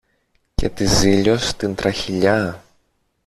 και της Ζήλιως την τραχηλιά